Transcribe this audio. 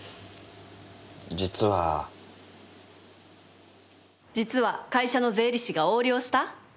実は実は会社の税理士が横領した？